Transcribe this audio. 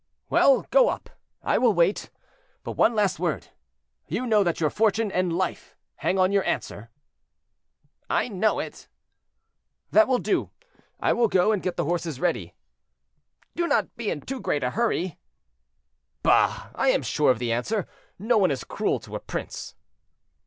"Well, go up; I will wait. But one last word; you know that your fortune and life hang on your answer." "I know it." "That will do; I will go and get the horses ready." "Do not be in too great a hurry." "Bah! I am sure of the answer; no one is cruel to a prince."